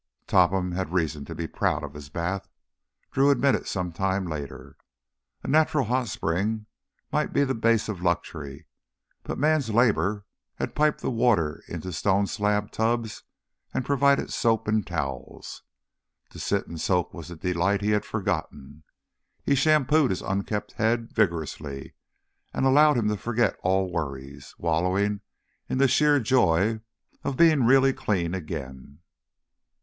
Topham had reason to be proud of his bath, Drew admitted some time later. A natural hot spring might be the base of the luxury, but man's labor had piped the water into stone slab tubs and provided soap and towels. To sit and soak was a delight he had forgotten. He shampooed his unkempt head vigorously and allowed himself to forget all worries, wallowing in the sheer joy of being really clean again.